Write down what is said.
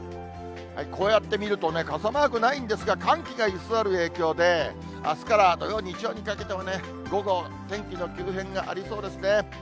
こうやって見るとね、傘マークないんですが、寒気が居座る影響で、あすから土曜、日曜にかけても午後、天気の急変がありそうですね。